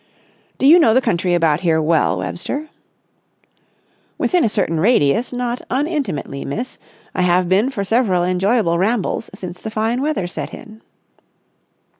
"Do you know the country about here well, Webster?" "Within a certain radius, not unintimately, miss. I have been for several enjoyable rambles since the fine weather set in."